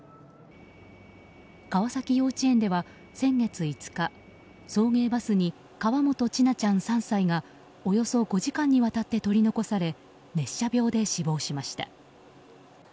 川崎幼稚園では先月５日送迎バスに河本千奈ちゃん、３歳がおよそ５時間にわたって取り残され熱射病で死亡しました。